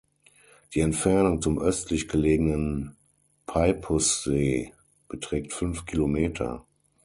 Die Entfernung zum östlich gelegenen Peipussee beträgt fünf Kilometer.